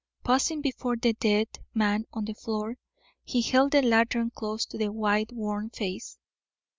Pausing before the dead man on the floor, he held the lantern close to the white, worn face.